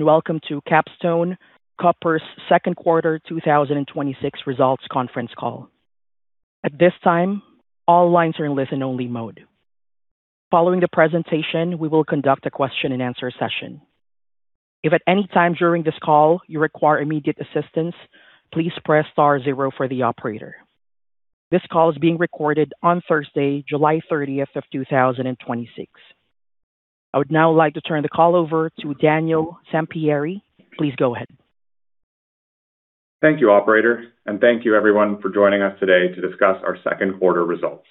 Welcome to Capstone Copper's Second Quarter 2026 Results conference call. At this time, all lines are in listen-only mode. Following the presentation, we will conduct a question and answer session. If at any time during this call you require immediate assistance, please press star zero for the operator. This call is being recorded on Thursday, July 30th, 2026. I would now like to turn the call over to Daniel Sampieri. Please go ahead. Thank you, operator. Thank you everyone for joining us today to discuss our second quarter results.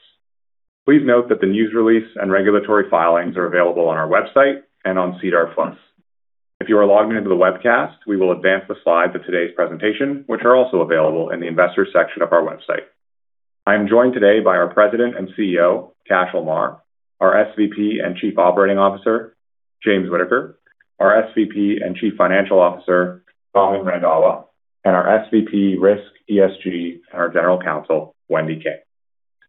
Please note that the news release and regulatory filings are available on our website and on SEDAR+ files. If you are logged into the webcast, we will advance the slide to today's presentation, which are also available in the investors section of our website. I am joined today by our President and CEO, Cashel Meagher, our SVP and Chief Operating Officer, James Whittaker, our SVP and Chief Financial Officer, Raman Randhawa, and our SVP, Risk, ESG, and General Counsel, Wendy King.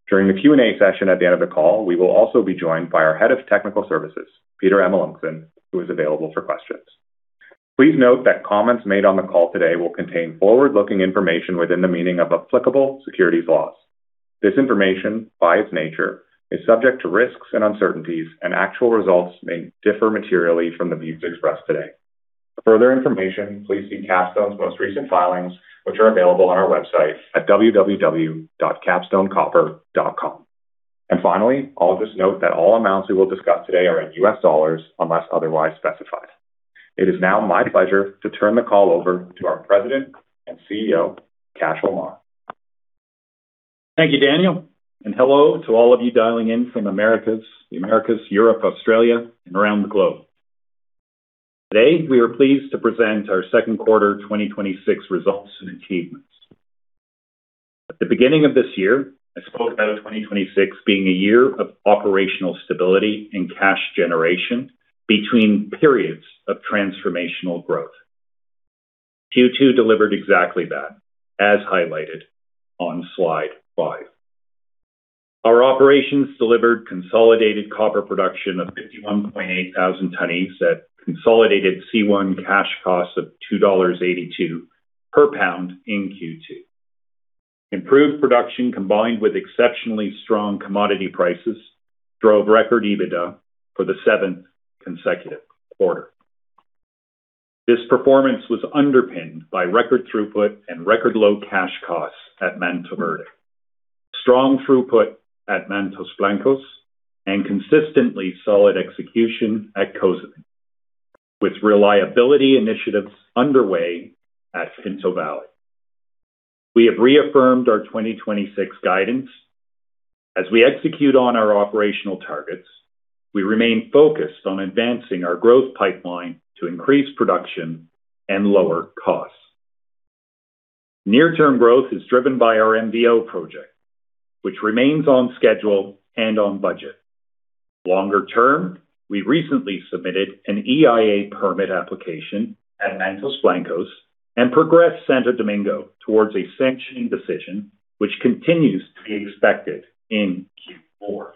During the Q&A session at the end of the call, we will also be joined by our Head of Technical Services, Peter Amelunxen, who is available for questions. Please note that comments made on the call today will contain forward-looking information within the meaning of applicable securities laws. This information, by its nature, is subject to risks and uncertainties. Actual results may differ materially from the views expressed today. For further information, please see Capstone's most recent filings, which are available on our website at www.capstonecopper.com. Finally, I'll just note that all amounts we will discuss today are in U.S. dollars unless otherwise specified. It is now my pleasure to turn the call over to our President and CEO, Cashel Meagher. Thank you, Daniel. Hello to all of you dialing in from Americas, the Americas, Europe, Australia, and around the globe. Today, we are pleased to present our second quarter 2026 results and achievements. At the beginning of this year, I spoke about 2026 being a year of operational stability and cash generation between periods of transformational growth. Q2 delivered exactly that, as highlighted on slide five. Our operations delivered consolidated copper production of 51.8 thousand tonnes at consolidated C1 cash costs of $2.82 per pound in Q2. Improved production, combined with exceptionally strong commodity prices, drove record EBITDA for the seventh consecutive quarter. This performance was underpinned by record throughput and record low cash costs at Mantoverde, strong throughput at Mantos Blancos, and consistently solid execution at Cozamin, with reliability initiatives underway at Pinto Valley. We have reaffirmed our 2026 guidance. As we execute on our operational targets, we remain focused on advancing our growth pipeline to increase production and lower costs. Near-term growth is driven by our MV-O project, which remains on schedule and on budget. Longer term, we recently submitted an EIA permit application at Mantos Blancos and progressed Santo Domingo towards a sanctioning decision, which continues to be expected in Q4.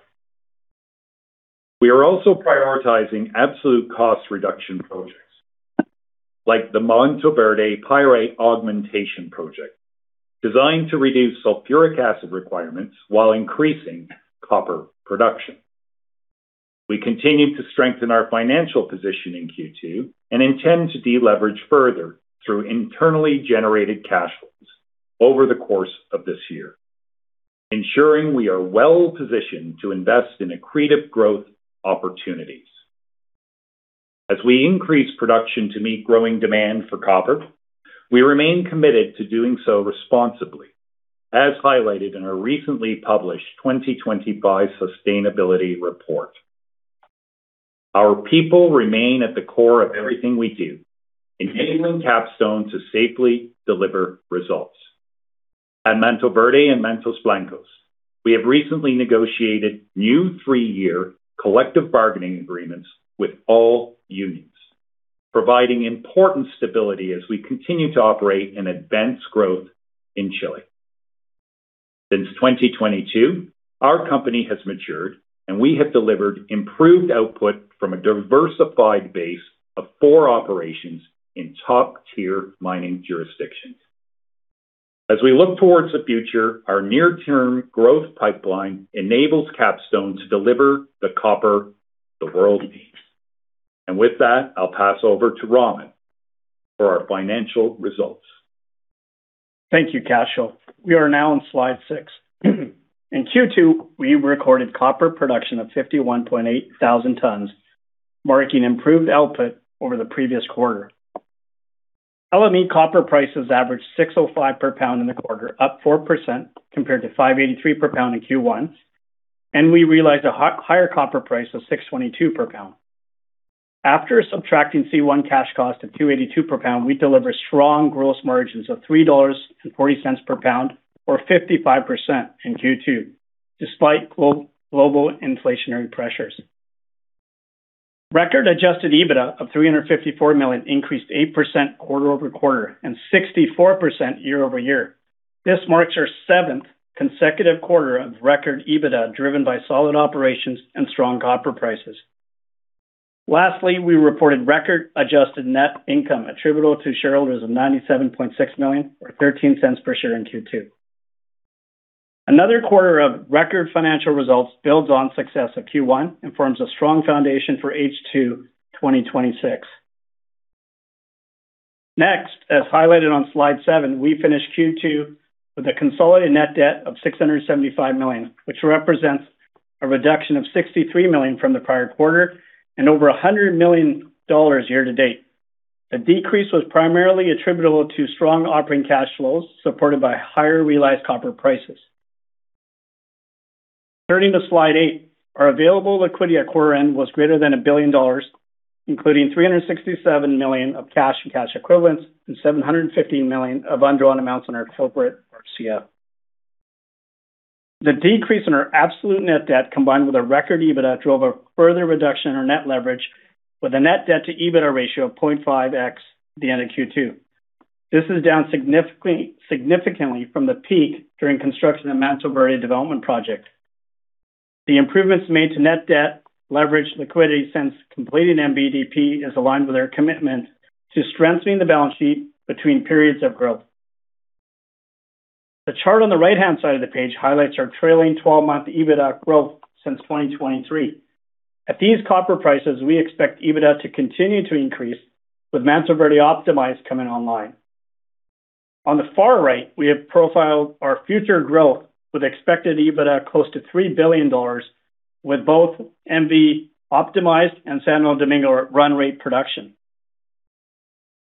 We are also prioritizing absolute cost reduction projects like the Mantoverde Pyrite Augmentation Project, designed to reduce sulfuric acid requirements while increasing copper production. We continued to strengthen our financial position in Q2 and intend to deleverage further through internally generated cash flows over the course of this year, ensuring we are well-positioned to invest in accretive growth opportunities. As we increase production to meet growing demand for copper, we remain committed to doing so responsibly, as highlighted in our recently published 2025 sustainability report. Our people remain at the core of everything we do, enabling Capstone to safely deliver results. At Mantoverde and Mantos Blancos, we have recently negotiated new three-year collective bargaining agreements with all unions, providing important stability as we continue to operate and advance growth in Chile. Since 2022, our company has matured, and we have delivered improved output from a diversified base of four operations in top-tier mining jurisdictions. As we look towards the future, our near-term growth pipeline enables Capstone to deliver the copper the world needs. With that, I'll pass over to Raman for our financial results. Thank you, Cashel. We are now on slide six. In Q2, we recorded copper production of 51.8 thousand tonnes, marking improved output over the previous quarter. LME copper prices averaged $6.05 per pound in the quarter, up 4% compared to $5.83 per pound in Q1, and we realized a higher copper price of $6.22 per pound. After subtracting C1 cash cost of $2.82 per pound, we delivered strong gross margins of $3.40 per pound or 55% in Q2, despite global inflationary pressures. Record adjusted EBITDA of $354 million increased 8% quarter-over-quarter and 64% year-over-year. This marks our seventh consecutive quarter of record EBITDA, driven by solid operations and strong copper prices. Lastly, we reported record adjusted net income attributable to shareholders of $97.6 million, or $0.13 per share in Q2. Another quarter of record financial results builds on success of Q1 and forms a strong foundation for H2 2026. As highlighted on slide seven, we finished Q2 with a consolidated net debt of $675 million, which represents a reduction of $63 million from the prior quarter and over $100 million year-to-date. The decrease was primarily attributable to strong operating cash flows, supported by higher realized copper prices. Turning to slide eight, our available liquidity at quarter end was greater than $1 billion, including $367 million of cash and cash equivalents and $715 million of undrawn amounts on our corporate RCF. The decrease in our absolute net debt, combined with a record EBITDA, drove a further reduction in our net leverage with a net debt to EBITDA ratio of 0.5x at the end of Q2. This is down significantly from the peak during construction of Mantoverde Development Project. The improvements made to net debt leverage liquidity since completing MVDP is aligned with our commitment to strengthening the balance sheet between periods of growth. The chart on the right-hand side of the page highlights our trailing 12-month EBITDA growth since 2023. At these copper prices, we expect EBITDA to continue to increase with Mantoverde Optimized coming online. On the far right, we have profiled our future growth with expected EBITDA close to $3 billion with both MV Optimized and Santo Domingo run rate production.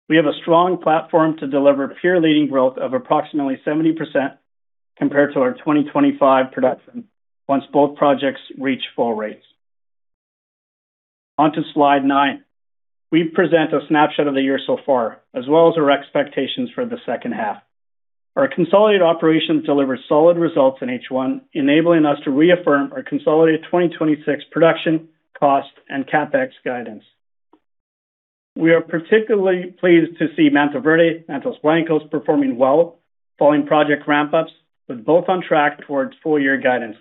We have a strong platform to deliver peer-leading growth of approximately 70% compared to our 2025 production once both projects reach full rates. On to slide nine. We present a snapshot of the year so far, as well as our expectations for the second half. Our consolidated operations delivered solid results in H1, enabling us to reaffirm our consolidated 2026 production, cost, and CapEx guidance. We are particularly pleased to see Mantoverde, Mantos Blancos performing well following project ramp-ups, with both on track towards full-year guidance.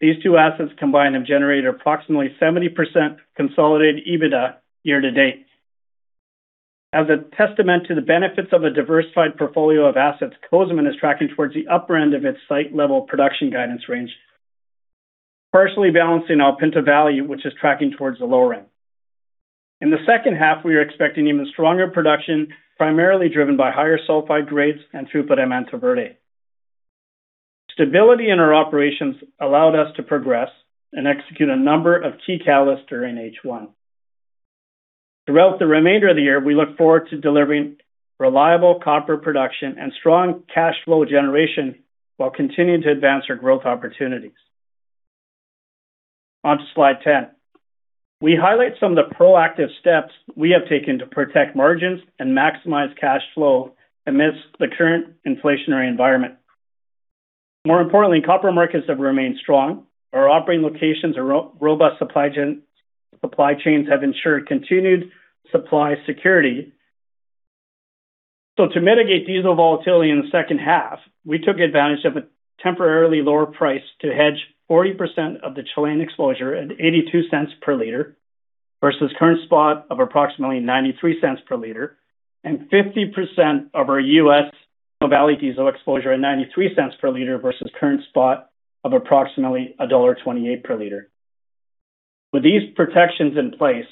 These two assets combined have generated approximately 70% consolidated EBITDA year-to-date. As a testament to the benefits of a diversified portfolio of assets, Cozamin is tracking towards the upper end of its site-level production guidance range, partially balancing Pinto Valley, which is tracking towards the lower end. In the second half, we are expecting even stronger production, primarily driven by higher sulfide grades and throughput at Mantoverde. Stability in our operations allowed us to progress and execute a number of key catalysts during H1. Throughout the remainder of the year, we look forward to delivering reliable copper production and strong cash flow generation while continuing to advance our growth opportunities. On to slide 10. We highlight some of the proactive steps we have taken to protect margins and maximize cash flow amidst the current inflationary environment. More importantly, copper markets have remained strong. Our operating locations and robust supply chains have ensured continued supply security. To mitigate diesel volatility in the second half, we took advantage of a temporarily lower price to hedge 40% of the Chilean exposure at $0.82 per liter versus current spot of approximately $0.93 per liter and 50% of our U.S. Valley diesel exposure at $0.93 per liter versus current spot of approximately $1.28 per liter. With these protections in place,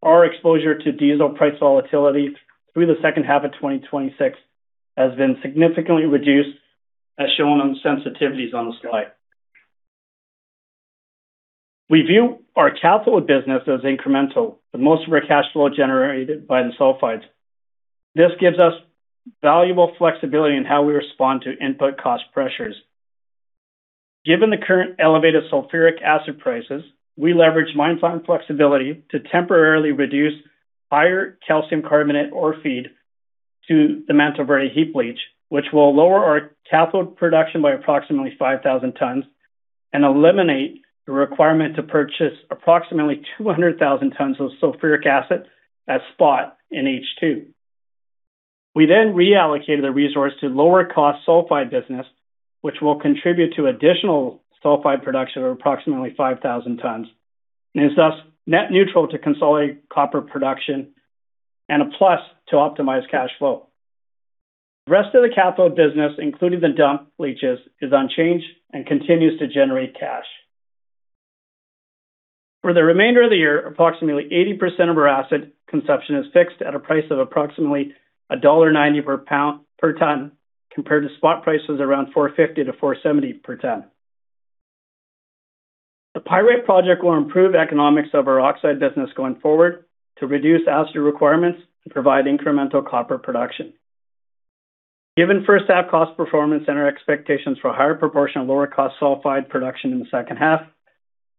our exposure to diesel price volatility through the second half of 2026 has been significantly reduced, as shown on the sensitivities on the slide. We view our cathode business as incremental, with most of our cash flow generated by the sulfides. This gives us valuable flexibility in how we respond to input cost pressures. Given the current elevated sulfuric acid prices, we leverage mine site flexibility to temporarily reduce higher calcium carbonate ore feed to the Mantoverde heap leach, which will lower our cathode production by approximately 5,000 tons and eliminate the requirement to purchase approximately 200,000 tons of sulfuric acid as spot in H2. We reallocated the resource to lower cost sulfide business, which will contribute to additional sulfide production of approximately 5,000 tons, and is thus net neutral to consolidate copper production and a plus to optimized cash flow. The rest of the cathode business, including the dump leaches, is unchanged and continues to generate cash. For the remainder of the year, approximately 80% of our acid consumption is fixed at a price of approximately $1.90 per ton, compared to spot prices around $450-$470 per ton. The Pyrite project will improve economics of our oxide business going forward to reduce acid requirements and provide incremental copper production. Given first half cost performance and our expectations for a higher proportion of lower cost sulfide production in the second half,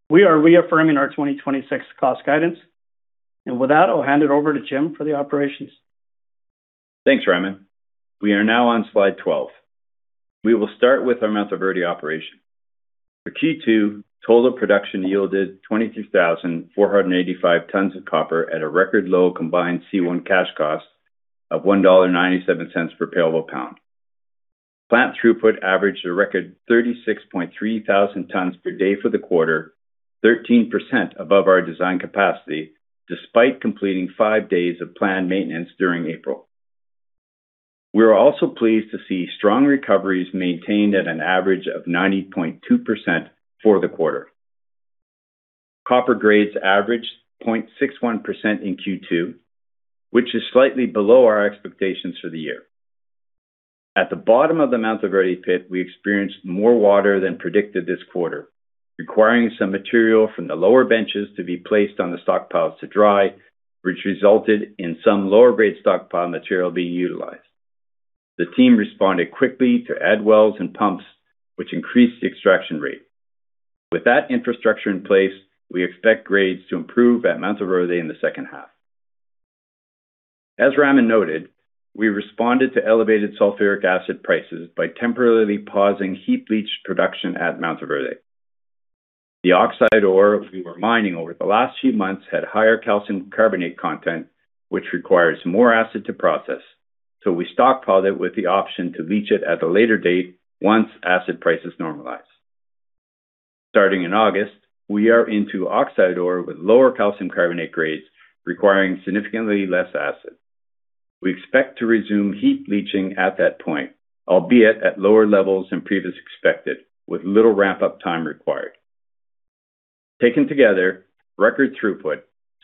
we are reaffirming our 2026 cost guidance. With that, I'll hand it over to Jim for the operations. Thanks, Raman. We are now on slide 12. We will start with our Mantoverde operation. For Q2, total production yielded 22,485 tons of copper at a record low combined C1 cash cost of $1.97 per payable pound. Plant throughput averaged a record 36.3 thousand tons per day for the quarter, 13% above our design capacity, despite completing five days of planned maintenance during April. We are also pleased to see strong recoveries maintained at an average of 90.2% for the quarter. Copper grades averaged 0.61% in Q2, which is slightly below our expectations for the year. At the bottom of the Mantoverde pit, we experienced more water than predicted this quarter, requiring some material from the lower benches to be placed on the stockpiles to dry, which resulted in some lower grade stockpile material being utilized. The team responded quickly to add wells and pumps, which increased the extraction rate. With that infrastructure in place, we expect grades to improve at Mantoverde in the second half. As Raman noted, we responded to elevated sulfuric acid prices by temporarily pausing heap leach production at Mantoverde. The oxide ore we were mining over the last few months had higher calcium carbonate content, which requires more acid to process. We stockpiled it with the option to leach it at a later date once acid prices normalize. Starting in August, we are into oxide ore with lower calcium carbonate grades, requiring significantly less acid. We expect to resume heap leaching at that point, albeit at lower levels than previous expected, with little ramp-up time required. Taken together, record throughput,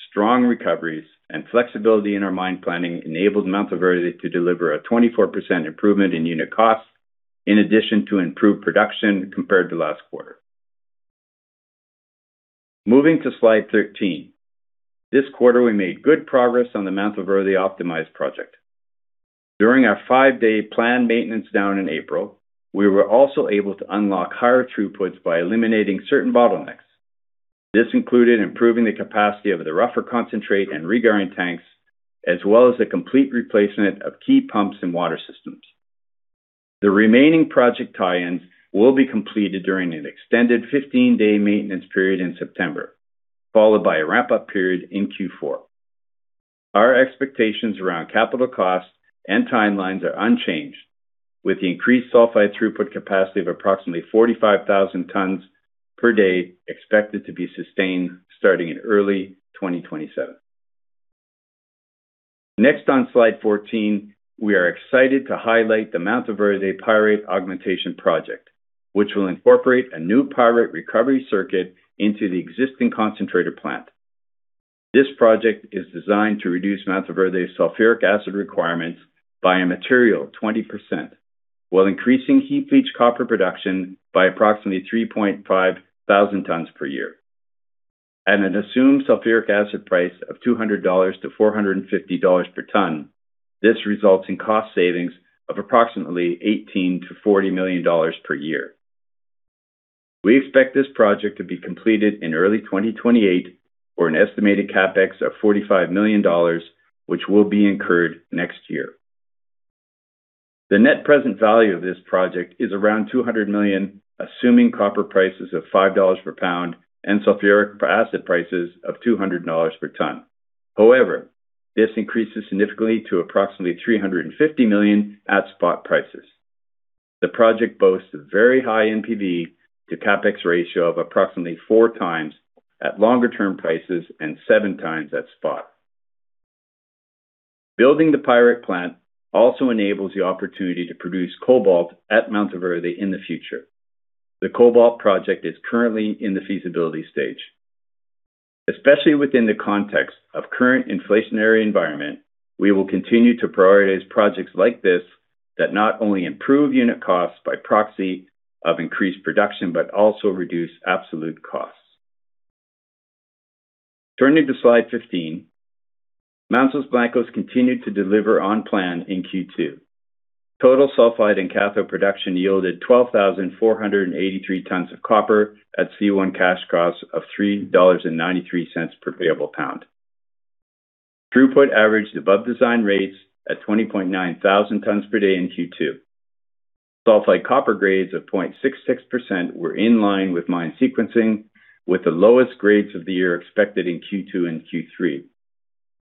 strong recoveries, and flexibility in our mine planning enabled Mantoverde to deliver a 24% improvement in unit costs, in addition to improved production compared to last quarter. Moving to slide 13. This quarter, we made good progress on the Mantoverde Optimized Project. During our five-day planned maintenance down in April, we were also able to unlock higher throughputs by eliminating certain bottlenecks. This included improving the capacity of the rougher concentrate and regrind tanks, as well as the complete replacement of key pumps and water systems. The remaining project tie-ins will be completed during an extended 15-day maintenance period in September, followed by a ramp-up period in Q4. Our expectations around capital costs and timelines are unchanged, with the increased sulfide throughput capacity of approximately 45,000 tons per day expected to be sustained starting in early 2027. On slide 14, we are excited to highlight the Mantoverde Pyrite Augmentation Project, which will incorporate a new pyrite recovery circuit into the existing concentrator plant. This project is designed to reduce Mantoverde's sulfuric acid requirements by a material 20% while increasing heap leach copper production by approximately 3,500 tons per year. At an assumed sulfuric acid price of $200-$450 per ton, this results in cost savings of approximately $18 million-$40 million per year. We expect this project to be completed in early 2028 for an estimated CapEx of $45 million, which will be incurred next year. The net present value of this project is around $200 million, assuming copper prices of $5 per pound and sulfuric acid prices of $200 per ton. However, this increases significantly to approximately $350 million at spot prices. The project boasts a very high NPV-to-CapEx ratio of approximately four times at longer-term prices and seven times at spot. Building the pyrite plant also enables the opportunity to produce cobalt at Mantoverde in the future. The cobalt project is currently in the feasibility stage. Especially within the context of current inflationary environment, we will continue to prioritize projects like this that not only improve unit costs by proxy of increased production, but also reduce absolute costs. Turning to slide 15, Mantos Blancos continued to deliver on plan in Q2. Total sulfide and cathode production yielded 12,483 tons of copper at C1 cash costs of $3.93 per payable pound. Throughput averaged above design rates at 20,900 tons per day in Q2. Sulfide copper grades of 0.66% were in line with mine sequencing, with the lowest grades of the year expected in Q2 and Q3.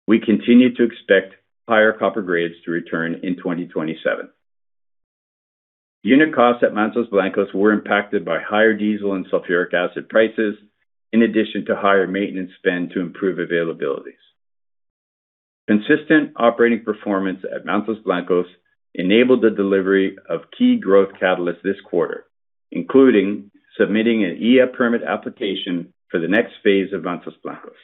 We continue to expect higher copper grades to return in 2027. Unit costs at Mantos Blancos were impacted by higher diesel and sulfuric acid prices, in addition to higher maintenance spend to improve availabilities. Consistent operating performance at Mantos Blancos enabled the delivery of key growth catalysts this quarter, including submitting an EIA permit application for the next phase of Mantos Blancos.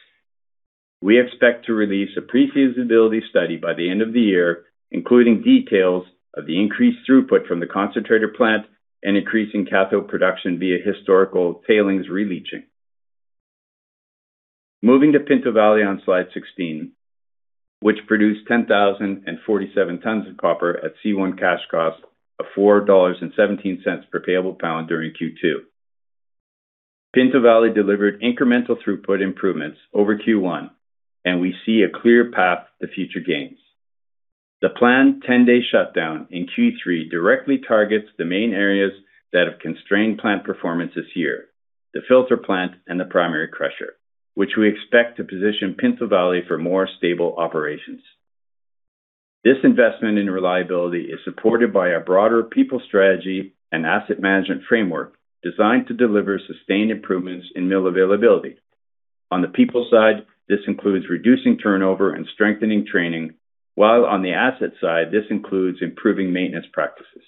We expect to release a pre-feasibility study by the end of the year, including details of the increased throughput from the concentrator plant and increasing cathode production via historical tailings releaching. Moving to Pinto Valley on slide 16, which produced 10,047 tons of copper at C1 cash cost of $4.17 per payable pound during Q2. Pinto Valley delivered incremental throughput improvements over Q1, and we see a clear path for future gain. The planned 10-day shutdown in Q3 directly targets the main areas that have constrained plant performance this year, the filter plant and the primary crusher, which we expect to position Pinto Valley for more stable operations. This investment in reliability is supported by our broader people strategy and asset management framework designed to deliver sustained improvements in mill availability. On the people side, this includes reducing turnover and strengthening training, while on the asset side, this includes improving maintenance practices.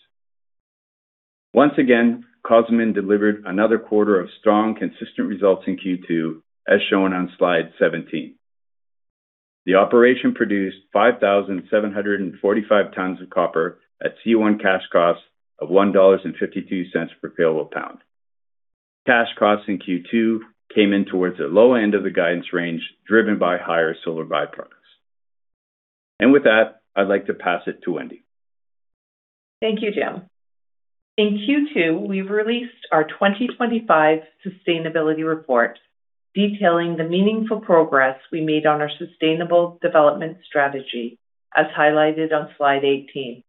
Once again, Cozamin delivered another quarter of strong, consistent results in Q2, as shown on slide 17. The operation produced 5,745 tons of copper at C1 cash costs of $1.52 per payable pound. Cash costs in Q2 came in towards the low end of the guidance range, driven by higher silver by-products. With that, I'd like to pass it to Wendy. Thank you, Jim. In Q2, we've released our 2025 sustainability report, detailing the meaningful progress we made on our sustainable development strategy, as highlighted on slide 18.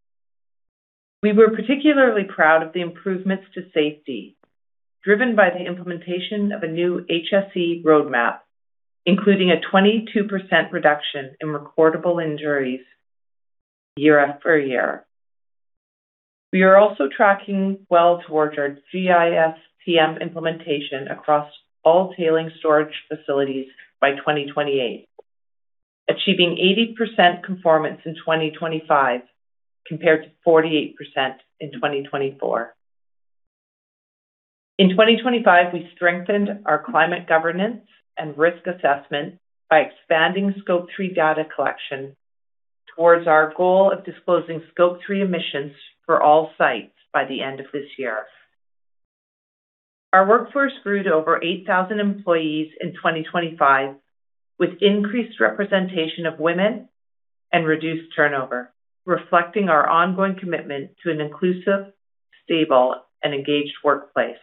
We were particularly proud of the improvements to safety, driven by the implementation of a new HSE roadmap, including a 22% reduction in recordable injuries year-after-year. We are also tracking well towards our GISTM implementation across all tailings storage facilities by 2028, achieving 80% conformance in 2025 compared to 48% in 2024. In 2025, we strengthened our climate governance and risk assessment by expanding Scope 3 data collection towards our goal of disclosing Scope 3 emissions for all sites by the end of this year. Our workforce grew to over 8,000 employees in 2025, with increased representation of women and reduced turnover, reflecting our ongoing commitment to an inclusive, stable and engaged workplace.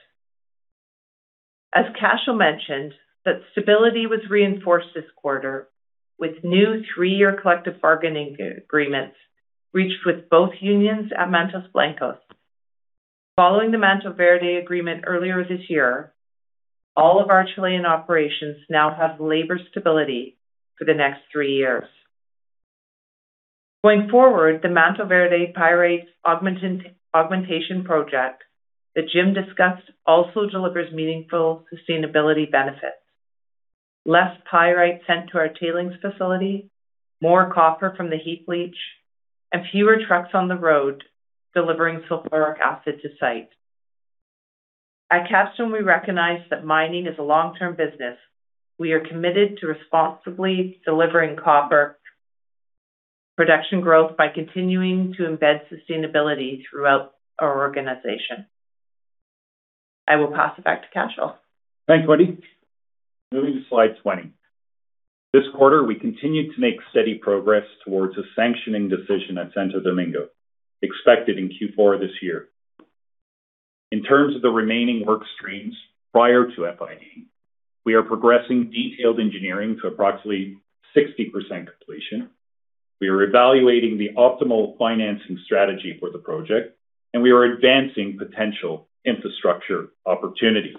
As Cashel mentioned, that stability was reinforced this quarter with new three-year collective bargaining agreements reached with both unions at Mantos Blancos. Following the Mantoverde agreement earlier this year, all of our Chilean operations now have labor stability for the next three years. Going forward, the Mantoverde Pyrite Augmentation Project that Jim discussed also delivers meaningful sustainability benefits. Less pyrite sent to our tailings facility, more copper from the heap leach, and fewer trucks on the road delivering sulfuric acid to site. At Capstone, we recognize that mining is a long-term business. We are committed to responsibly delivering copper production growth by continuing to embed sustainability throughout our organization. I will pass it back to Cashel. Thanks, Wendy. Moving to slide 20. This quarter, we continued to make steady progress towards a sanctioning decision at Santo Domingo, expected in Q4 of this year. In terms of the remaining work streams prior to FID, we are progressing detailed engineering to approximately 60% completion. We are evaluating the optimal financing strategy for the project, and we are advancing potential infrastructure opportunities.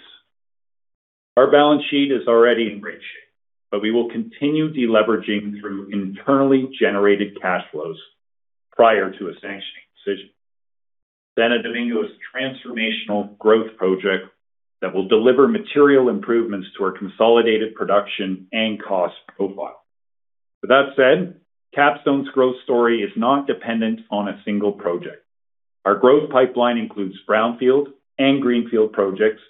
Our balance sheet is already in great shape, but we will continue deleveraging through internally generated cash flows prior to a sanctioning decision. Santo Domingo is a transformational growth project that will deliver material improvements to our consolidated production and cost profile. With that said, Capstone's growth story is not dependent on a single project. Our growth pipeline includes brownfield and greenfield projects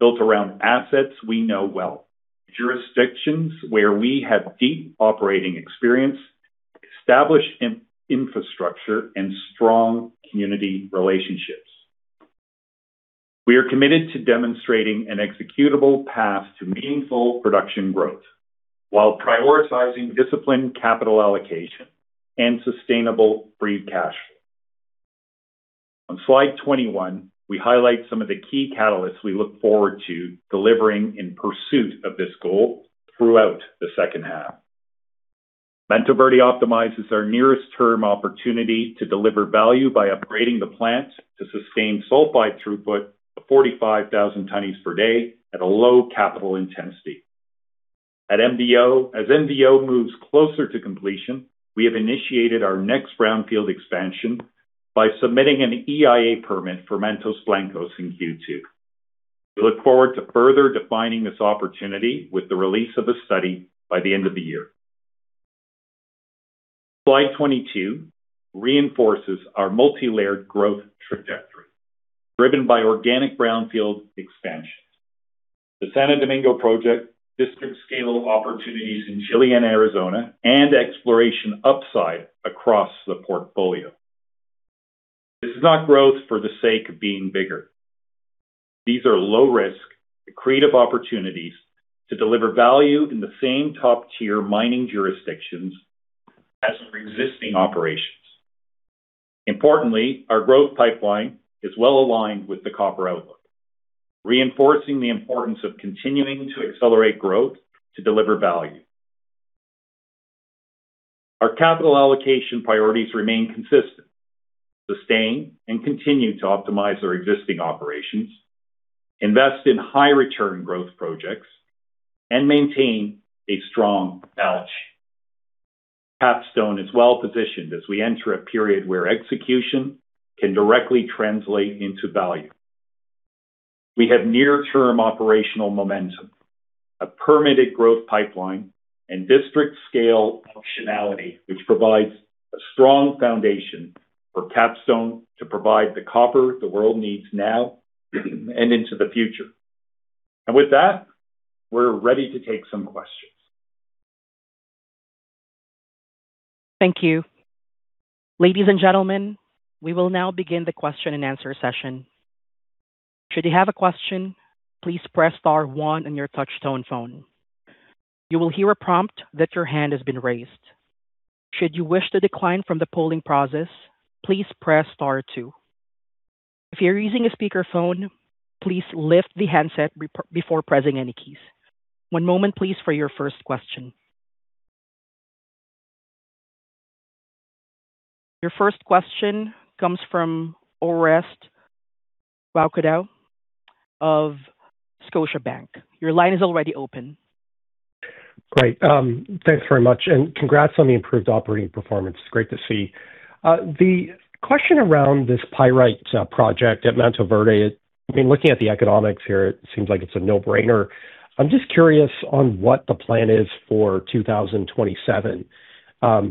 built around assets we know well, jurisdictions where we have deep operating experience, established infrastructure, and strong community relationships. We are committed to demonstrating an executable path to meaningful production growth while prioritizing disciplined capital allocation and sustainable free cash flow. On slide 21, we highlight some of the key catalysts we look forward to delivering in pursuit of this goal throughout the second half. Mantoverde Optimized is our nearest-term opportunity to deliver value by upgrading the plant to sustain sulphide throughput of 45,000 tonnes per day at a low capital intensity. As MV-O moves closer to completion, we have initiated our next brownfield expansion by submitting an EIA permit for Mantos Blancos in Q2. We look forward to further defining this opportunity with the release of a study by the end of the year. Slide 22 reinforces our multi-layered growth trajectory, driven by organic brownfield expansions. The Santo Domingo project, district-scale opportunities in Chile and Arizona, and exploration upside across the portfolio. This is not growth for the sake of being bigger. These are low-risk, accretive opportunities to deliver value in the same top-tier mining jurisdictions as our existing operations Importantly, our growth pipeline is well-aligned with the copper outlook, reinforcing the importance of continuing to accelerate growth to deliver value. Our capital allocation priorities remain consistent: sustain and continue to optimize our existing operations, invest in high-return growth projects, and maintain a strong balance sheet. Capstone is well-positioned as we enter a period where execution can directly translate into value. We have near-term operational momentum, a permitted growth pipeline, and district-scale functionality, which provides a strong foundation for Capstone to provide the copper the world needs now and into the future. With that, we're ready to take some questions. Thank you. Ladies and gentlemen, we will now begin the question and answer session. Should you have a question, please press star one on your touch tone phone. You will hear a prompt that your hand has been raised. Should you wish to decline from the polling process, please press star two. If you're using a speakerphone, please lift the handset before pressing any keys. One moment, please, for your first question. Your first question comes from Orest Wowkodaw of Scotiabank. Your line is already open. Great. Thanks very much. Congrats on the improved operating performance. It's great to see. The question around this pyrite project at Mantoverde, looking at the economics here, it seems like it's a no-brainer. I'm just curious on what the plan is for 2027,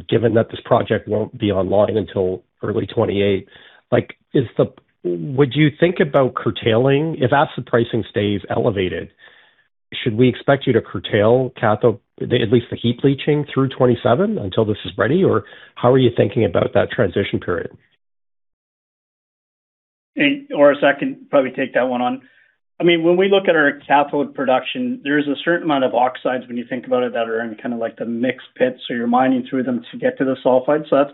given that this project won't be [allotted] until early 2028. Would you think about curtailing, if acid pricing stays elevated, should we expect you to curtail cathode, at least the heap leaching, through 2027 until this is ready? How are you thinking about that transition period? Hey, Orest, I can probably take that one on. When we look at our cathode production, there is a certain amount of oxides when you think about it, that are in the mixed pits, so you're mining through them to get to the sulfide. That's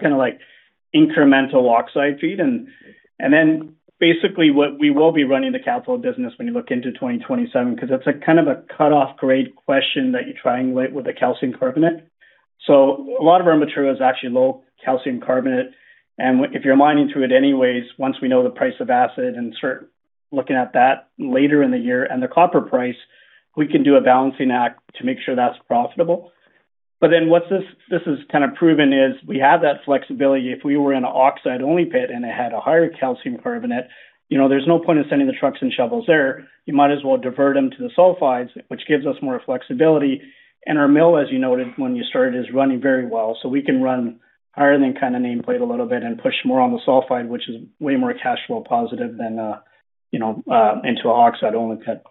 incremental oxide feed. Basically, we will be running the cathode business when you look into 2027, because that's a cutoff grade question that you triangulate with the calcium carbonate. A lot of our material is actually low calcium carbonate, and if you're mining through it anyways, once we know the price of acid and start looking at that later in the year, and the copper price, we can do a balancing act to make sure that's profitable. What this has proven is we have that flexibility. If we were in a oxide-only pit and it had a higher calcium carbonate, there's no point in sending the trucks and shovels there. You might as well divert them to the sulfides, which gives us more flexibility. Our mill, as you noted when you started, is running very well. We can run higher than nameplate a little bit and push more on the sulfide, which is way more cash flow positive than into a oxide-only pit.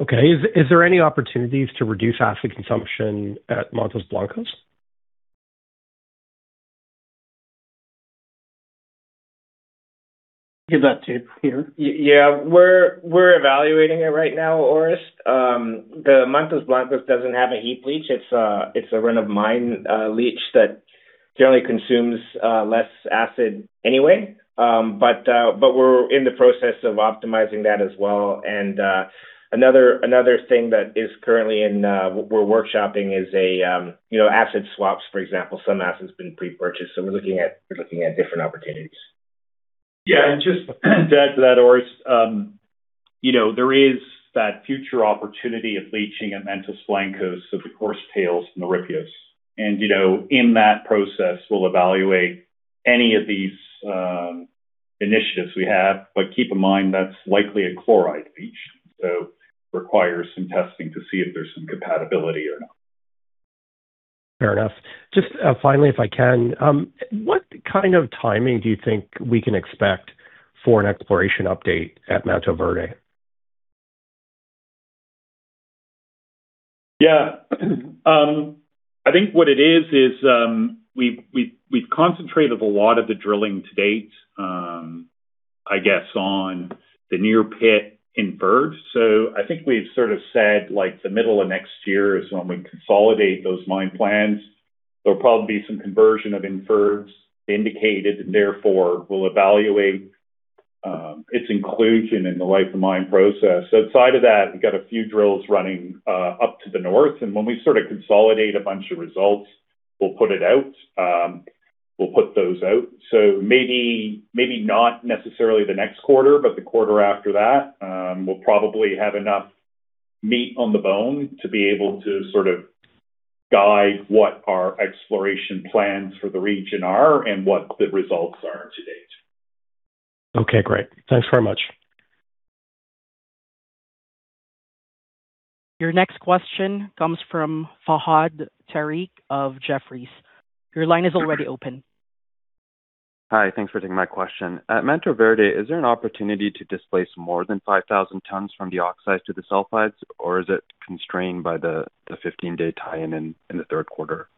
Okay. Is there any opportunities to reduce acid consumption at Mantos Blancos? Give that to Peter. Yeah. We're evaluating it right now, Orest. The Mantos Blancos doesn't have a heap leach. It's a run-of-mine leach that generally consumes less acid anyway. We're in the process of optimizing that as well. Another thing that is currently in, we're workshopping is acid swaps, for example. Some acid's been pre-purchased, so we're looking at different opportunities. Yeah, just to add to that, Orest, there is that future opportunity of leaching at Mantos Blancos, so the coarse tails from the ripios. In that process, we'll evaluate any of these initiatives we have, keep in mind, that's likely a chloride leach, so requires some testing to see if there's some compatibility or not. Fair enough. Just finally, if I can, what kind of timing do you think we can expect for an exploration update at Mantoverde? Yeah. I think what it is we've concentrated a lot of the drilling to date, I guess, on the near pit inferred. I think we've said the middle of next year is when we consolidate those mine plans. There'll probably be some conversion of inferred indicated, therefore we'll evaluate its inclusion in the life of mine process. Outside of that, we've got a few drills running up to the north, when we consolidate a bunch of results, we'll put those out. Maybe not necessarily the next quarter, but the quarter after that, we'll probably have enough meat on the bone to be able to guide what our exploration plans for the region are and what the results are to date. Okay, great. Thanks very much. Your next question comes from Fahad Tariq of Jefferies. Your line is already open. Hi, thanks for taking my question. At Mantoverde, is there an opportunity to displace more than 5,000 tons from the oxides to the sulfides, or is it constrained by the 15-day tie-in in the third quarter?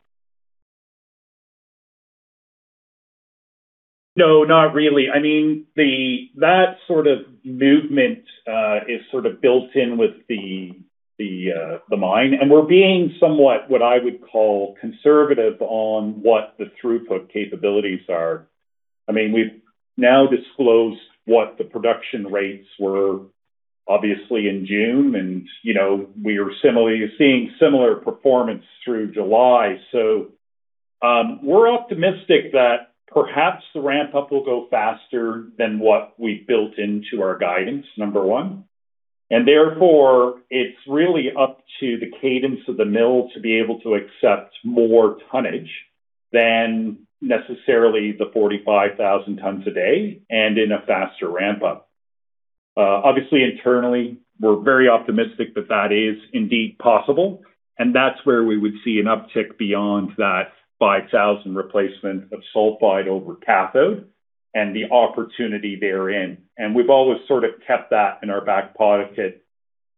No, not really. That sort of movement is sort of built in with the mine, and we're being somewhat, what I would call, conservative on what the throughput capabilities are. We've now disclosed what the production rates were, obviously, in June, and we are seeing similar performance through July. We're optimistic that perhaps the ramp-up will go faster than what we've built into our guidance, number one, and therefore it's really up to the cadence of the mill to be able to accept more tonnage than necessarily the 45,000 tons a day and in a faster ramp-up. Obviously, internally, we're very optimistic that that is indeed possible, and that's where we would see an uptick beyond that 5,000 replacement of sulfide over cathode and the opportunity therein. We've always sort of kept that in our back pocket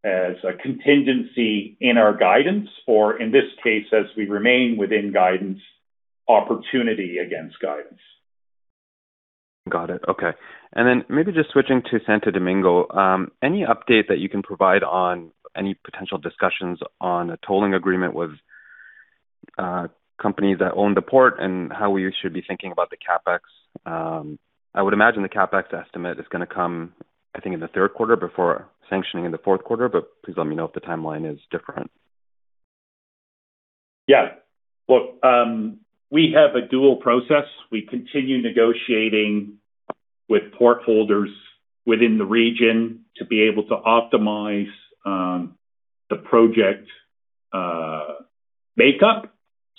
as a contingency in our guidance or, in this case, as we remain within guidance, opportunity against guidance. Got it. Okay. Maybe just switching to Santo Domingo, any update that you can provide on any potential discussions on a tolling agreement with companies that own the port and how we should be thinking about the CapEx? I would imagine the CapEx estimate is going to come, I think, in the third quarter before sanctioning in the fourth quarter, but please let me know if the timeline is different. Yeah. Look, we have a dual process. We continue negotiating with port holders within the region to be able to optimize the project makeup.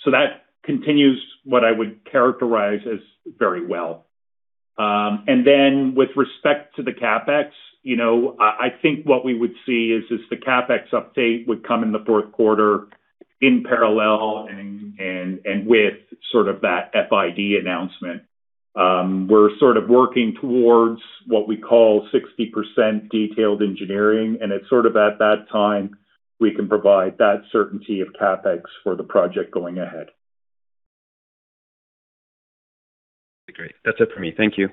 That continues, what I would characterize as, very well. With respect to the CapEx, I think what we would see is just the CapEx update would come in the fourth quarter in parallel and with sort of that FID announcement. We're sort of working towards what we call 60% detailed engineering, and it's sort of at that time we can provide that certainty of CapEx for the project going ahead. Great. That's it for me. Thank you.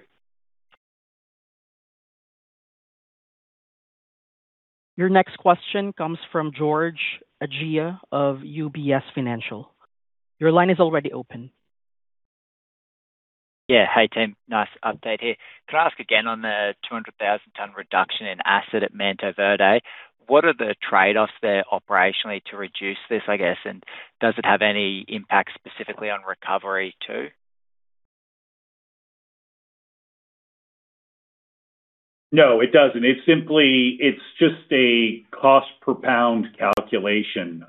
Your next question comes from George Eadie of UBS Financial. Your line is already open. Yeah. Hey, team. Nice update here. Can I ask again on the 200,000 tons reduction in acid at Mantoverde, what are the trade-offs there operationally to reduce this, I guess, and does it have any impact specifically on recovery too? No, it doesn't. It's just a cost per pound calculation.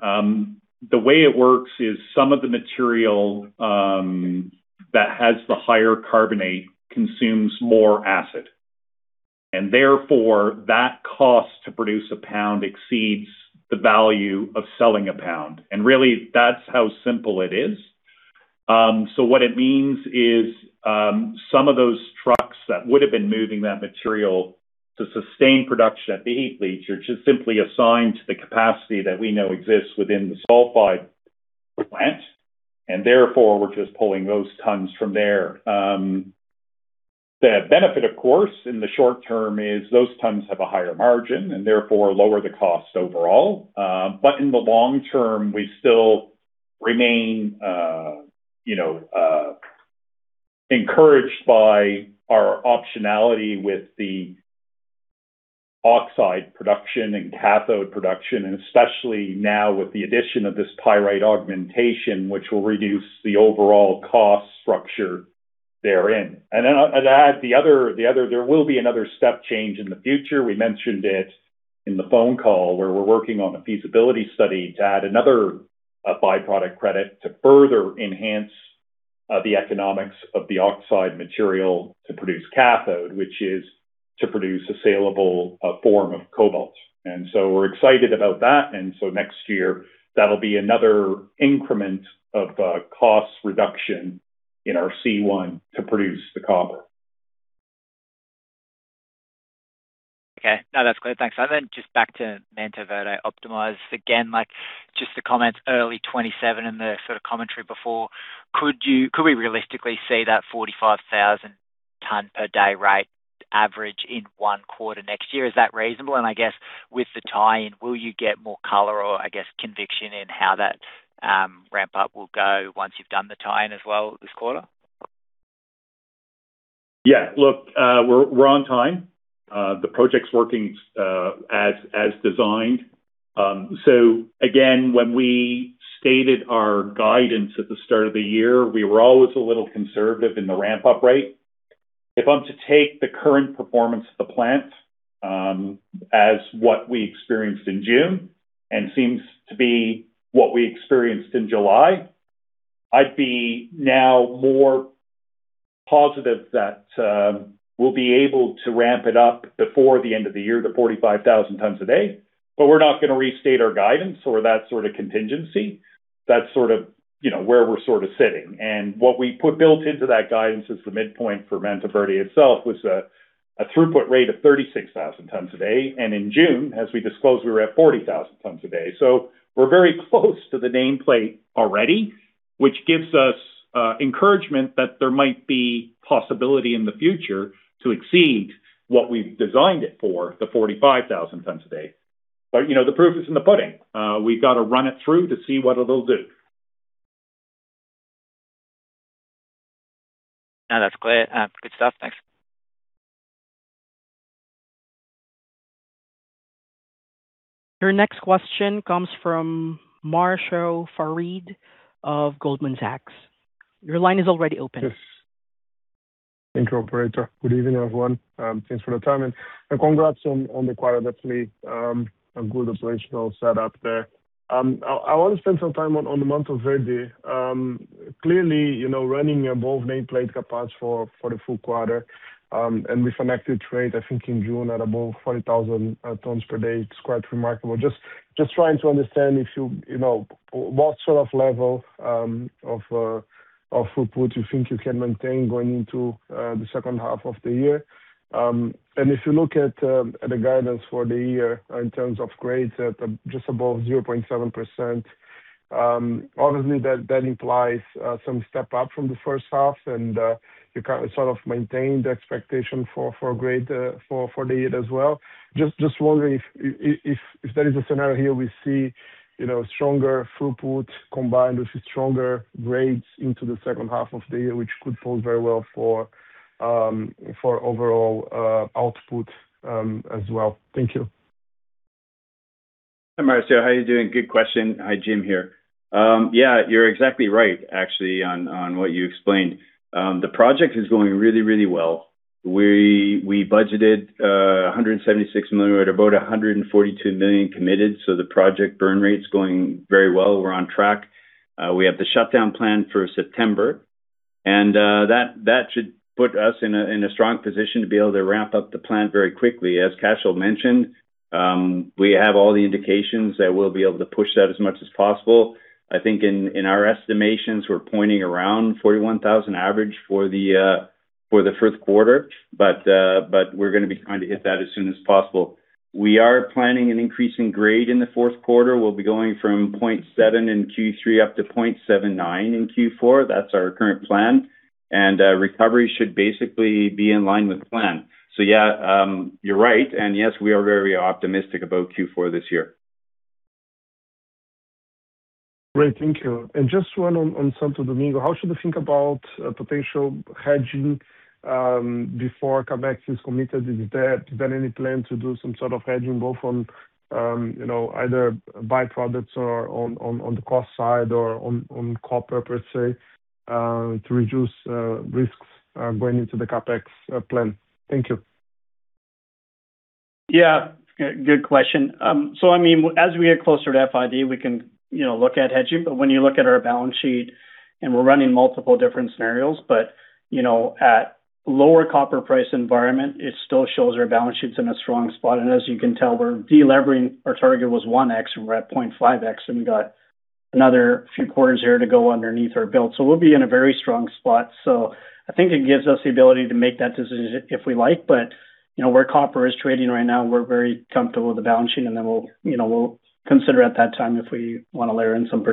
The way it works is some of the material that has the higher carbonate consumes more acid. Therefore, that cost to produce a pound exceeds the value of selling a pound. Really, that's how simple it is. What it means is, some of those trucks that would've been moving that material to sustain production at the heap leach are just simply assigned to the capacity that we know exists within the sulfide plant. Therefore, we're just pulling those tons from there. The benefit, of course, in the short term is those tons have a higher margin. Therefore, lower the cost overall. In the long term, we still remain encouraged by our optionality with the oxide production and cathode production, especially now with the addition of this Pyrite Augmentation, which will reduce the overall cost structure therein. Then I'd add, there will be another step change in the future. We mentioned it in the phone call where we're working on a feasibility study to add another byproduct credit to further enhance the economics of the oxide material to produce cathode, which is to produce a saleable form of cobalt. So we're excited about that. So next year, that'll be another increment of cost reduction in our C1 to produce the copper. Okay. No, that's clear. Thanks. Just back to Mantoverde Optimized again, just the comments early 2027 and the sort of commentary before, could we realistically see that 45,000 tonnes per day rate average in one quarter next year? Is that reasonable? I guess with the tie-in, will you get more color or I guess conviction in how that ramp-up will go once you've done the tie-in as well this quarter? Yeah. Look, we're on time. The project's working as designed. Again, when we stated our guidance at the start of the year, we were always a little conservative in the ramp-up rate. If I'm to take the current performance of the plant, as what we experienced in June and seems to be what we experienced in July, I'd be now more positive that we'll be able to ramp it up before the end of the year to 45,000 tonnes a day. We're not going to restate our guidance or that sort of contingency. That's sort of where we're sort of sitting. What we built into that guidance as the midpoint for Mantoverde itself was a throughput rate of 36,000 tonnes a day. In June, as we disclosed, we were at 40,000 tonnes a day. We're very close to the nameplate already. Which gives us encouragement that there might be possibility in the future to exceed what we've designed it for, the 45,000 tons a day. The proof is in the pudding. We've got to run it through to see what it'll do. No, that's clear. Good stuff. Thanks. Your next question comes from Marcio Farid of Goldman Sachs. Your line is already open. Yes. Thank you, operator. Good evening, everyone. Thanks for the time, and congrats on the quarter. Definitely, a good operational set-up there. I want to spend some time on the Mantoverde. Clearly, running above nameplate capacity for the full quarter, and with an active trade, I think in June, at above 40,000 tons per day, it's quite remarkable. Just trying to understand what sort of level of throughput you think you can maintain going into the second half of the year. If you look at the guidance for the year in terms of grades at just above 0.7%, obviously, that implies some step up from the first half and you sort of maintain the expectation for grade for the year as well. Just wondering if there is a scenario here we see stronger throughput combined with stronger grades into the second half of the year, which could fall very well for overall output as well. Thank you. Hi, Marcio. How are you doing? Good question. Hi, Jim here. You're exactly right, actually, on what you explained. The project is going really well. We budgeted $176 million, we're at about $142 million committed, so the project burn rate's going very well. We're on track. We have the shutdown plan for September, and that should put us in a strong position to be able to ramp up the plant very quickly. As Cashel mentioned, we have all the indications that we'll be able to push that as much as possible. I think in our estimations, we're pointing around 41,000 average for the first quarter. We're going to be trying to hit that as soon as possible. We are planning an increase in grade in the fourth quarter. We'll be going from 0.7 in Q3 up to 0.79 in Q4. That's our current plan. Recovery should basically be in line with plan. Yeah, you're right. Yes, we are very optimistic about Q4 this year. Great. Thank you. Just one on Santo Domingo. How should we think about potential hedging before CapEx is committed? Is there any plan to do some sort of hedging, both on either byproducts or on the cost side or on copper, per se, to reduce risks going into the CapEx plan? Thank you. Yeah. Good question. As we get closer to FID, we can look at hedging. When you look at our balance sheet, and we're running multiple different scenarios, but at lower copper price environment, it still shows our balance sheet's in a strong spot. As you can tell, we're de-levering. Our target was 1x and we're at 0.5x, and we got another few quarters here to go underneath our belt. We'll be in a very strong spot. I think it gives us the ability to make that decision if we like. Where copper is trading right now, we're very comfortable with the balance sheet and then we'll consider at that time if we want to layer in some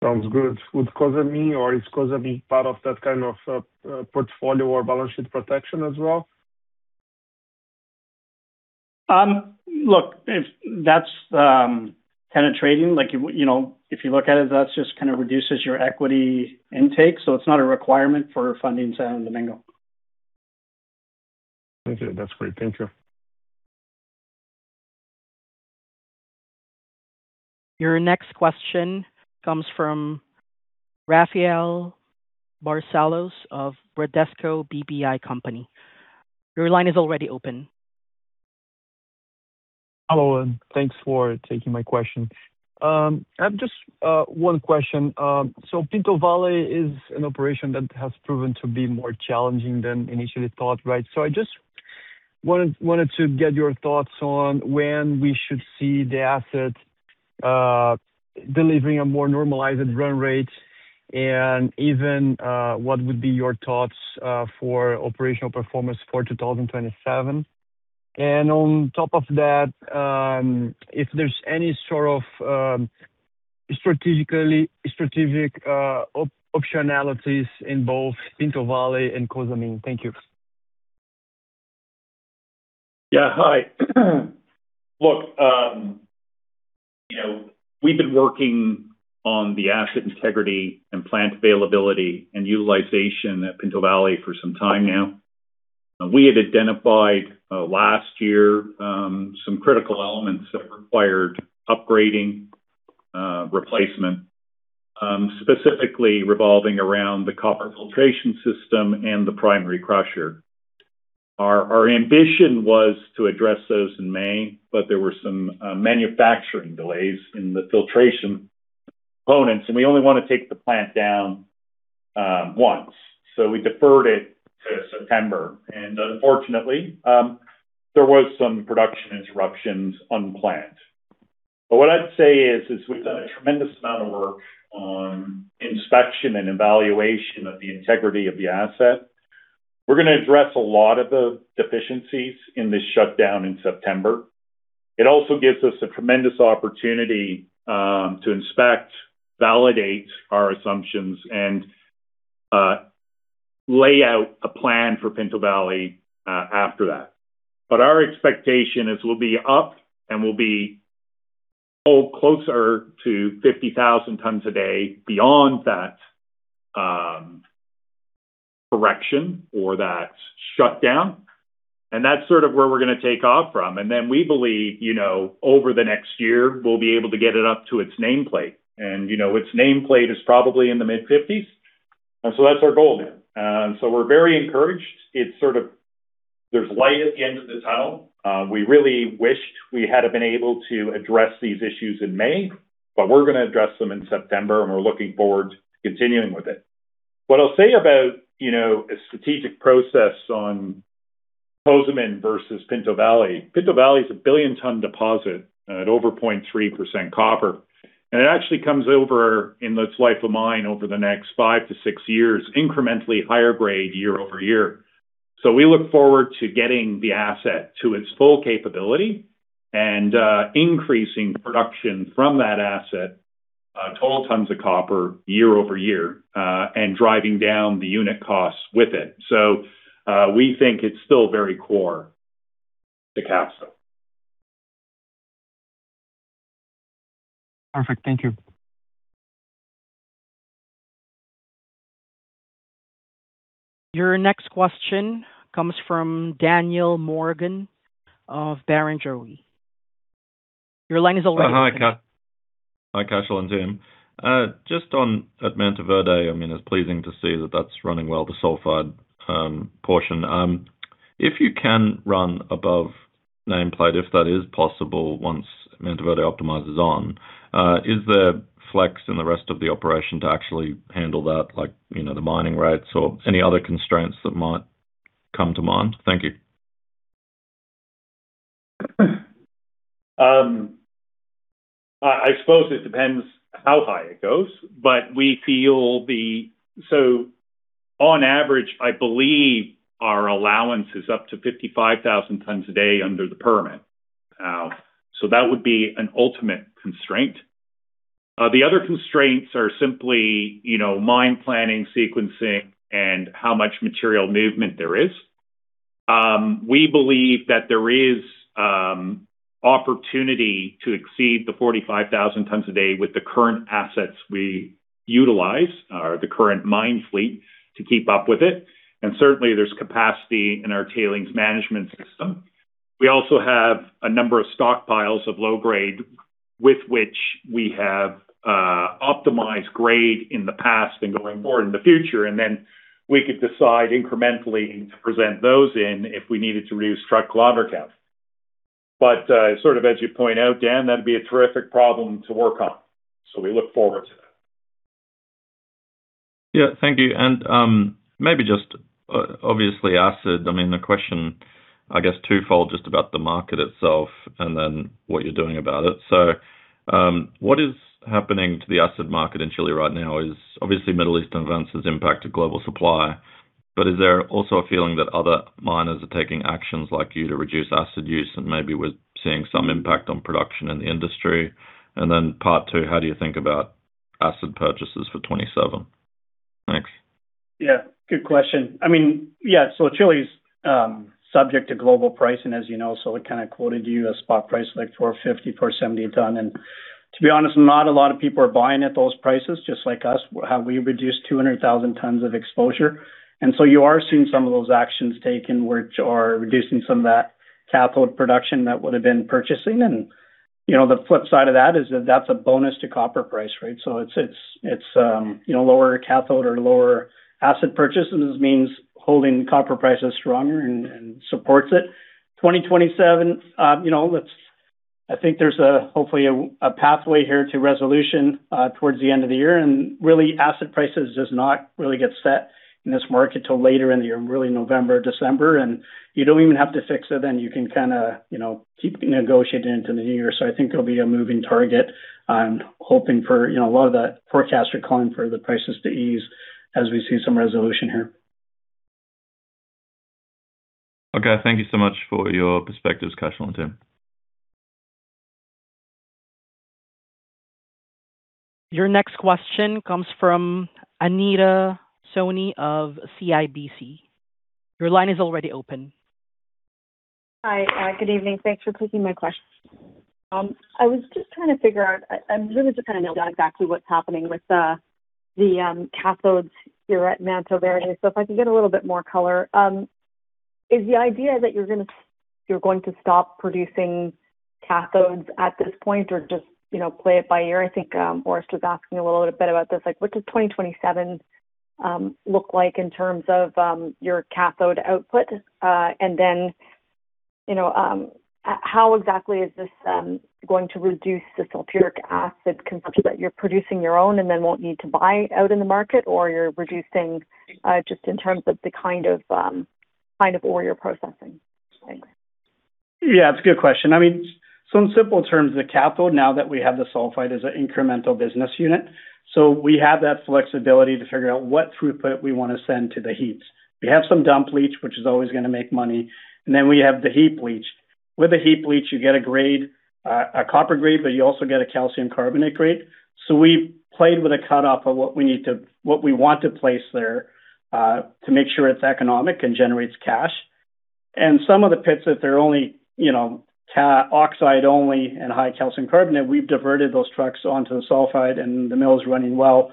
protection. Sounds good. Would Cozamin, or is Cozamin part of that kind of portfolio or balance sheet protection as well? That's kind of trading. If you look at it, that just kind of reduces your equity intake. It's not a requirement for funding Santo Domingo. Thank you. That's great. Thank you. Your next question comes from Rafael Barcellos of Bradesco BBI company. Your line is already open. Hello, thanks for taking my question. I've just one question. Pinto Valley is an operation that has proven to be more challenging than initially thought, right? I just wanted to get your thoughts on when we should see the asset delivering a more normalized run rate, and even what would be your thoughts for operational performance for 2027? On top of that, if there's any sort of strategic optionalities in both Pinto Valley and Cozamin. Thank you. Yeah. Hi. Look, we've been working on the asset integrity and plant availability and utilization at Pinto Valley for some time now. We had identified last year, some critical elements that required upgrading, replacement, specifically revolving around the copper filtration system and the primary crusher. Our ambition was to address those in May, but there were some manufacturing delays in the filtration components, we only want to take the plant down once. We deferred it to September. Unfortunately, there was some production interruptions unplanned. What I'd say is, we've done a tremendous amount of work on inspection and evaluation of the integrity of the asset. We're going to address a lot of the deficiencies in this shutdown in September. It also gives us a tremendous opportunity to inspect, validate our assumptions, and lay out a plan for Pinto Valley after that. Our expectation is we'll be up, and we'll be closer to 50,000 tons a day beyond that correction or that shutdown. That's sort of where we're going to take off from. We believe over the next year, we'll be able to get it up to its nameplate. Its nameplate is probably in the mid-50s. That's our goal there. We're very encouraged. There's light at the end of the tunnel. We really wished we had been able to address these issues in May, we're going to address them in September, and we're looking forward to continuing with it. What I'll say about a strategic process on Cozamin versus Pinto Valley, Pinto Valley is a billion ton deposit at over 0.3% copper. It actually comes over in its life of mine over the next five to six years, incrementally higher grade year-over-year. We look forward to getting the asset to its full capability and increasing production from that asset, total tons of copper year-over-year, and driving down the unit costs with it. We think it's still very core to Capstone. Perfect. Thank you. Your next question comes from Daniel Morgan of Barrenjoey. Your line is already open. Hi, Cashel and team. Just on at Mantoverde, it is pleasing to see that that is running well, the sulfide portion. If you can run above nameplate, if that is possible once Mantoverde optimizes on, is there flex in the rest of the operation to actually handle that, like the mining rates or any other constraints that might come to mind? Thank you. I suppose it depends how high it goes, but we feel. On average, I believe our allowance is up to 55,000 tons a day under the permit. That would be an ultimate constraint. The other constraints are simply, mine planning, sequencing, and how much material movement there is. We believe that there is opportunity to exceed the 45,000 tons a day with the current assets we utilize or the current mine fleet to keep up with it. Certainly, there is capacity in our tailings management system. We also have a number of stockpiles of low grade with which we have optimized grade in the past and going forward in the future. Then we could decide incrementally to present those in if we needed to reduce truck kilometer counts. As you point out, Dan, that would be a terrific problem to work on. We look forward to that. Thank you. Maybe just obviously acid, the question, I guess twofold, just about the market itself and then what you're doing about it. What is happening to the acid market in Chile right now is obviously Middle Eastern events has impacted global supply. Is there also a feeling that other miners are taking actions like you to reduce acid use and maybe we're seeing some impact on production in the industry? Part two, how do you think about acid purchases for 2027? Thanks. Good question. Chile's subject to global pricing, as you know. I quoted you a spot price of like $450, $470 a ton. To be honest, not a lot of people are buying at those prices, just like us, have we reduced 200,000 tons of exposure. You are seeing some of those actions taken which are reducing some of that cathode production that would have been purchasing and the flip side of that is that that's a bonus to copper price, right? It's lower cathode or lower acid purchases means holding copper prices stronger and supports it. 2027, I think there's hopefully a pathway here to resolution towards the end of the year. Really, acid prices does not really get set in this market till later in the year, really November, December. You don't even have to fix it then, you can keep negotiating into the new year. I think it'll be a moving target. I'm hoping for, a lot of the forecasts are calling for the prices to ease as we see some resolution here. Okay. Thank you so much for your perspectives, Cashel and team. Your next question comes from Anita Soni of CIBC. Your line is already open. Hi, good evening. Thanks for taking my question. I was just trying to figure out, I'm really just trying to nail down exactly what's happening with the cathodes here at Mantoverde. If I could get a little bit more color. Is the idea that you're going to stop producing cathodes at this point or just play it by ear? I think Orest was asking a little bit about this, what does 2027 look like in terms of your cathode output? How exactly is this going to reduce the sulfuric acid consumption that you're producing your own and then won't need to buy out in the market, or you're reducing just in terms of the kind of ore you're processing? Thanks. Yeah, it's a good question. In simple terms, the cathode, now that we have the sulfide, is an incremental business unit. We have that flexibility to figure out what throughput we want to send to the heaps. We have some dump leach, which is always going to make money, we have the heap leach. With the heap leach, you get a copper grade, but you also get a calcium carbonate grade. We played with a cutoff of what we want to place there to make sure it's economic and generates cash. Some of the pits, if they're oxide only and high calcium carbonate, we've diverted those trucks onto the sulfide, and the mill's running well.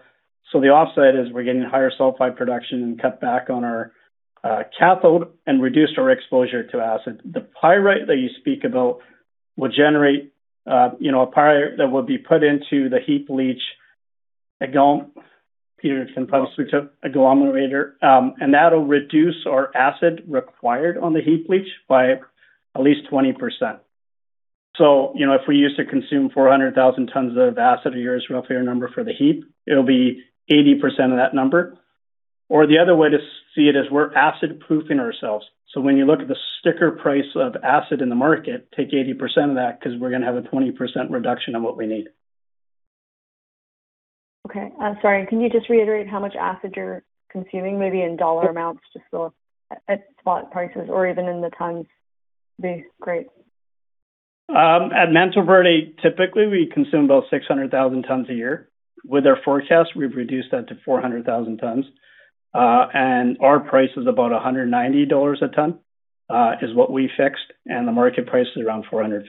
The offset is we're getting higher sulfide production and cut back on our cathode and reduced our exposure to acid. The pyrite that you speak about will generate a pyrite that will be put into the heap leach agglomerator. That'll reduce our acid required on the heap leach by at least 20%. If we used to consume 400,000 tons of acid a year, is a rough number for the heap, it'll be 80% of that number. The other way to see it is we're acid-proofing ourselves. When you look at the sticker price of acid in the market, take 80% of that because we're going to have a 20% reduction of what we need. Okay. Sorry, can you just reiterate how much acid you're consuming, maybe in dollar amounts, just at spot prices or even in the tons would be great. At Mantoverde, typically, we consume about 600,000 tons a year. With our forecast, we've reduced that to 400,000 tons. Our price is about $190 a ton, is what we fixed, and the market price is around $450.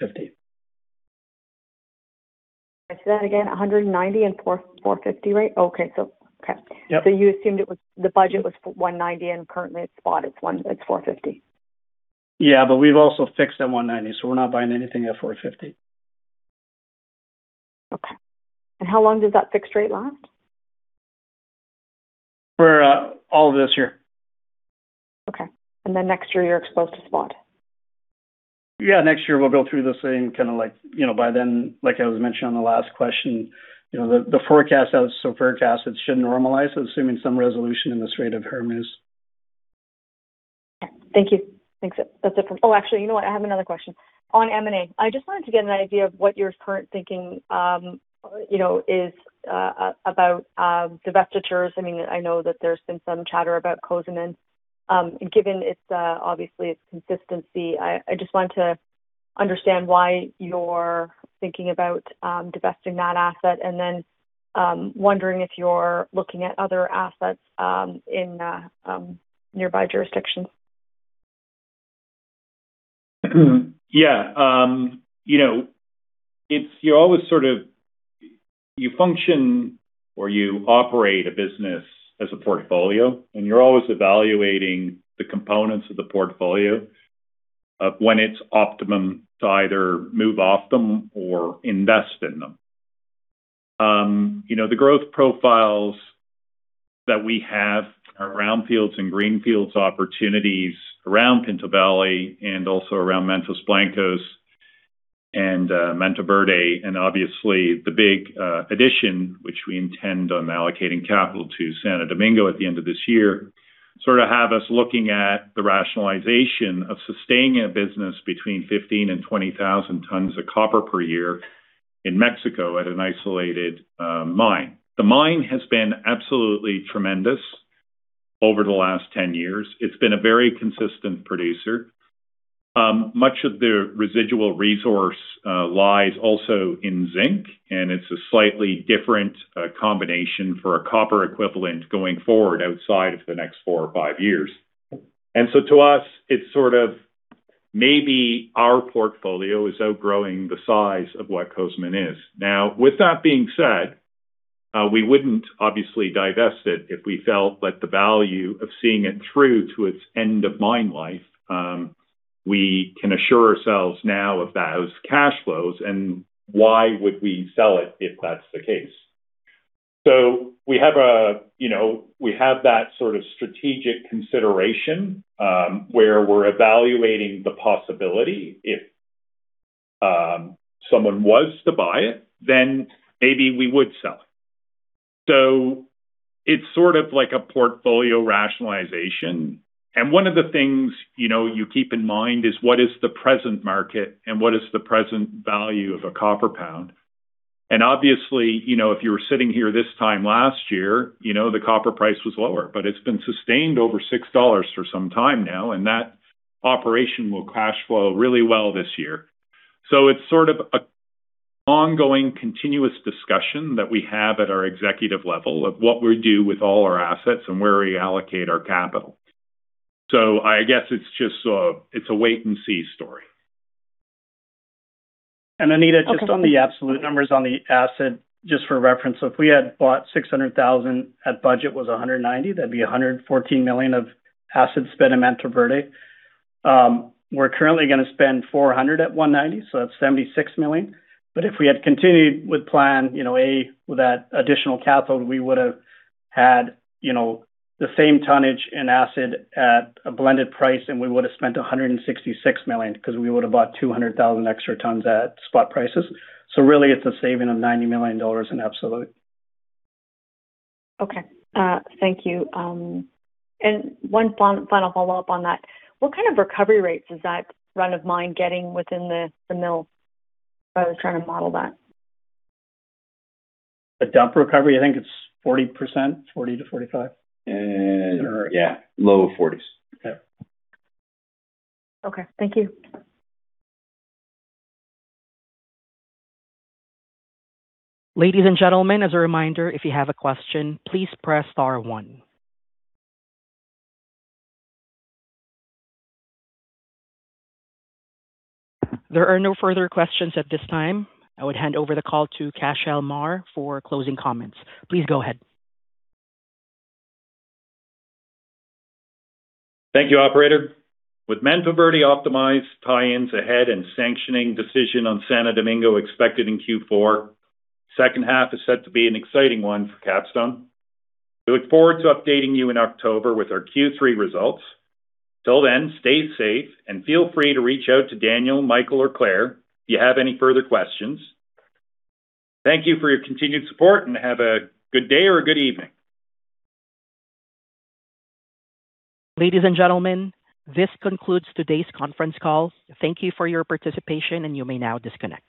Say that again, $190 and $450, right? Okay. Okay. Yep. You assumed the budget was for $190 and currently the spot is $450. Yeah, we've also fixed at $190. We're not buying anything at $450. Okay. How long does that fixed rate last? For all of this year. Okay. Next year you're exposed to spot. Yeah, next year we'll go through the same, by then, like I was mentioning on the last question, the forecast out, so forecast it should normalize, assuming some resolution in the Strait of Hormuz. Yeah. Thank you. That's it. Oh, actually, you know what? I have another question. On M&A. I just wanted to get an idea of what your current thinking is about divestitures. I know that there's been some chatter about Cozamin. Given obviously its consistency, I just wanted to understand why you're thinking about divesting that asset, and then wondering if you're looking at other assets in nearby jurisdictions. Yeah. You function or you operate a business as a portfolio, and you're always evaluating the components of the portfolio of when it's optimum to either move off them or invest in them. The growth profiles that we have are brownfields and greenfields opportunities around Pinto Valley and also around Mantos Blancos and Mantoverde. Obviously the big addition, which we intend on allocating capital to Santo Domingo at the end of this year, have us looking at the rationalization of sustaining a business between 15,000 and 20,000 tons of copper per year in Mexico at an isolated mine. The mine has been absolutely tremendous over the last 10 years. It's been a very consistent producer. Much of the residual resource lies also in zinc, and it's a slightly different combination for a copper equivalent going forward outside of the next four or five years. To us, it's maybe our portfolio is outgrowing the size of what Cozamin is. Now, with that being said, we wouldn't obviously divest it if we felt that the value of seeing it through to its end of mine life, we can assure ourselves now of those cash flows, and why would we sell it if that's the case? We have that strategic consideration, where we're evaluating the possibility. If someone was to buy it, then maybe we would sell it. It's like a portfolio rationalization. One of the things you keep in mind is what is the present market and what is the present value of a copper pound. Obviously, if you were sitting here this time last year, the copper price was lower, but it has been sustained over $6 for some time now, and that operation will cash flow really well this year. It is an ongoing continuous discussion that we have at our executive level of what we do with all our assets and where we allocate our capital. I guess it is a wait-and-see story. Anita, just on the absolute numbers on the acid, just for reference, if we had bought 600,000 at budget was 190, that would be $114 million of acid spent in Mantoverde. We are currently going to spend 400 at 190, that is $76 million. If we had continued with plan A, with that additional cathode, we would have had the same tonnage in acid at a blended price, and we would have spent $166 million because we would have bought 200,000 extra tons at spot prices. Really, it is a saving of $90 million in absolute. Okay. Thank you. One final follow-up on that. What kind of recovery rates is that run of mine getting within the mill? If I was trying to model that. The dump recovery, I think it is 40%, 40%-45%. Yeah, low 40s. Yeah. Okay. Thank you. Ladies and gentlemen, as a reminder, if you have a question, please press star one. There are no further questions at this time. I would hand over the call to Cashel Meagher for closing comments. Please go ahead. Thank you, operator. With Mantoverde Optimized tie-ins ahead and sanctioning decision on Santo Domingo expected in Q4, second half is set to be an exciting one for Capstone. We look forward to updating you in October with our Q3 results. Till then, stay safe and feel free to reach out to Daniel, Michael, or Claire if you have any further questions. Thank you for your continued support, and have a good day or a good evening. Ladies and gentlemen, this concludes today's conference call. Thank you for your participation, and you may now disconnect.